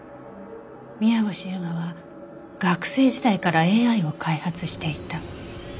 宮越優真は学生時代から ＡＩ を開発していた